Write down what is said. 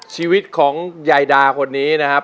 ชีวิตของยายดาคนนี้นะครับ